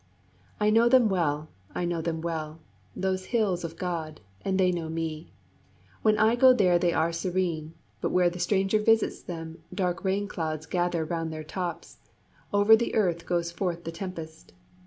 I know them well I know them well, Those hills of God, and they know me; When I go there they are serene, But when the stranger visits them Dark rain clouds gather round their tops Over the earth goes forth the tempest.